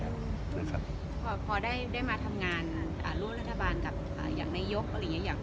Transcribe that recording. พอได้มาทำงานร่วมรัฐบาลกับอย่างนายกอะไรอย่างนี้